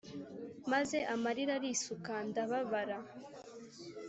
maze amarira arisuka ndababara.